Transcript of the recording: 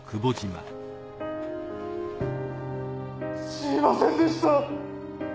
すみませんでした。